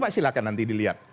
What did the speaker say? silahkan nanti dilihat